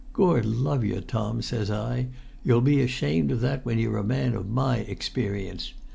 'Gord love yer, Tom,' says I, 'you'll be ashamed of that when you're a man of my experience!